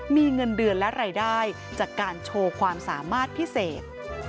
มีเงินเดือนและรายได้จากการโชว์ความสามารถพิเศษ